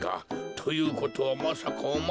ということはまさかおまえは。